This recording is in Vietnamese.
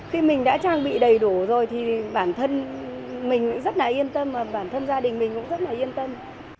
khi mình đã trang bị đầy đủ rồi thì bản thân mình cũng rất là yên tâm và bản thân gia đình mình cũng rất là yên tâm